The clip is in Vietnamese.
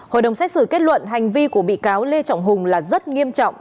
hội đồng xét xử kết luận hành vi của bị cáo lê trọng hùng là rất nghiêm trọng